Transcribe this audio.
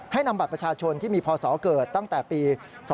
นำบัตรประชาชนที่มีพศเกิดตั้งแต่ปี๒๕๖